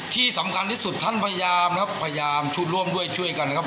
ที่สำคัญที่สุดท่านพยายามนะครับพยายามชุดร่วมด้วยช่วยกันนะครับ